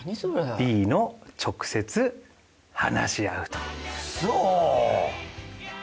Ｂの「直接話し合う」と。嘘！？